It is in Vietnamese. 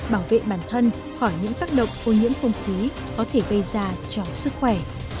bảo vệ bản thân khỏi những tác động ô nhiễm không khí có thể gây ra cho sức khỏe